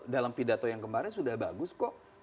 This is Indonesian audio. dalam pidato yang kemarin sudah bagus kok